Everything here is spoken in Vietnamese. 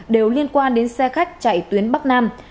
đều liên quan đến xe khách chạy tuyến bắc nam